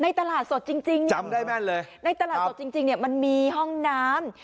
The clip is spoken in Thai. ตลาดสดจริงจริงจำได้แม่นเลยในตลาดสดจริงจริงเนี่ยมันมีห้องน้ำ